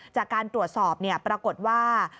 จากการตรวจสอบปรากฏว่า